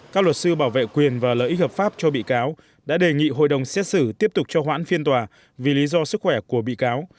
các luật sư bảo vệ quyền và lợi ích hợp pháp cho bị cáo đã đề nghị hội đồng xét xử tiếp tục cho hoãn phiên tòa vì lý do sức khỏe của bị cáo